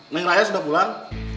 neng raya sudah pulang